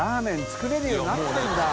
發Ε蕁璽瓮作れるようになってんだ。